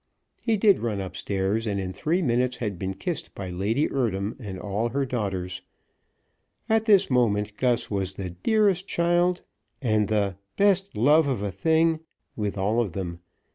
He did run up stairs, and in three minutes had been kissed by Lady Eardham and all her daughters. At this moment Gus was the "dearest child" and the "best love of a thing" with all of them.